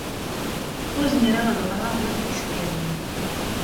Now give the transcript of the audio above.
Ur zmireɣ ad ɣreɣ war tisekkadin.